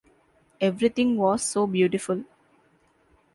Everything was so beautiful!